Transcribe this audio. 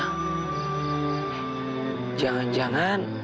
hati jadi berbunga bunga